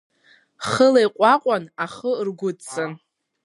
Хыла иҟәаҟәан, ахы ргәыдҵан.